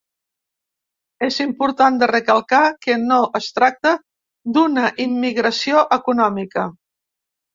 És important de recalcar que no es tracta d’una immigració econòmica.